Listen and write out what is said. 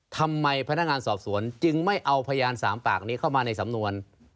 พนักงานสอบสวนจึงไม่เอาพยาน๓ปากนี้เข้ามาในสำนวน